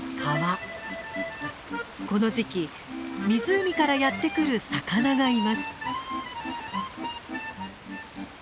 この時期湖からやってくる魚がいます。